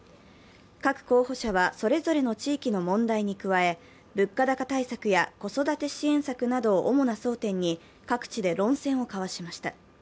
各候補者は、それぞれの地域の問題に加え、物価高対策や子育て支援策などを主な争点に各地で論戦をかわしました。